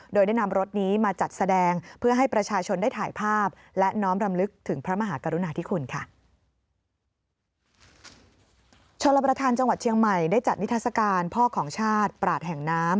โดยได้นำรถนี้มาจัดแสดงเพื่อให้ประชาชนได้ถ่ายภาพและน้อมรำลึกถึงพระมหากรุณาธิคุณค่ะ